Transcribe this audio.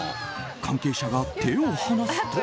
関係者が手を放すと。